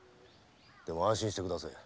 でも安心してくだせえ。